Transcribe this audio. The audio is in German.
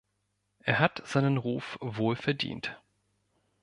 Er hat seinen Ruf wohlverdient.